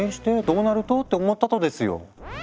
どうなると？って思ったとですよ。